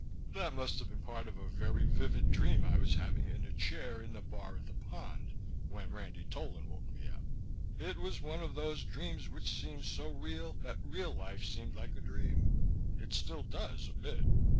"That must have been part of a very vivid dream I was having in a chair in the bar at the Pond, when Ranty Tolan woke me up. It was one of those dreams which seemed so real that real life seemed like a dream. It still does a bit.